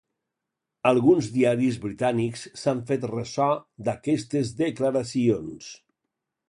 Alguns diaris britànics s’han fet ressò d’aquestes declaracions.